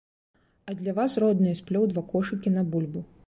Я для вас, родныя, сплёў два кошыкі на бульбу.